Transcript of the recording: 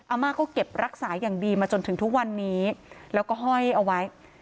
อาม่าก็เก็บรักษาอย่างดีมาจนถึงทุกวันนี้แล้วก็ห้อยเอาไว้